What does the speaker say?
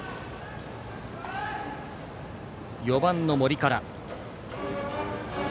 ４番の森から。